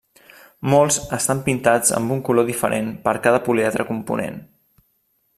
Molts estan pintats amb un color diferent per cada políedre component.